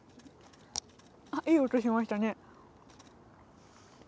あっいい音しましたね。